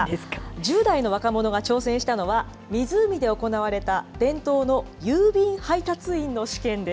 １０代の若者が挑戦したのは、湖で行われた伝統の郵便配達員の試試験？